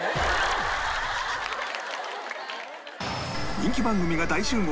人気番組が大集合！